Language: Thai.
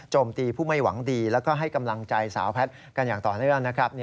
ตีผู้ไม่หวังดีแล้วก็ให้กำลังใจสาวแพทย์กันอย่างต่อเนื่องนะครับ